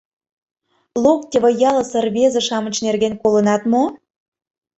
— Локтево ялысе рвезе-шамыч нерген колынат мо?